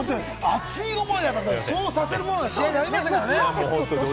熱い思いがそうさせるものがありましたからね。